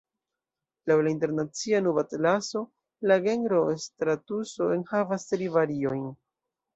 Laŭ la Internacia Nubatlaso, la genro stratuso enhavas tri variojn.